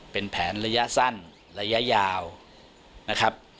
เป็นแผนระยะสั้นระยะยาวนะครับ